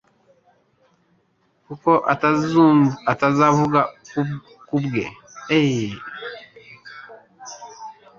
kuko atazavuga kubwe ahubwo ibyo azumva nibyo azavuga kuko azenda ku byanjye akabibabwira,